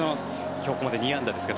今日ここまで２安打でした。